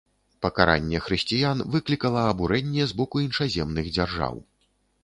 Пакаранне хрысціян выклікала абурэнне з боку іншаземных дзяржаў.